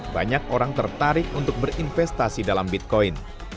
banyak orang tertarik untuk berinvestasi dalam bitcoin